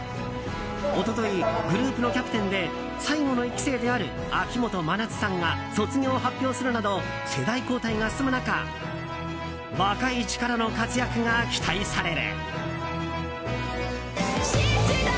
一昨日、グループのキャプテンで最後の１期生である秋元真夏さんが卒業を発表するなど世代交代が進む中若い力の活躍が期待される。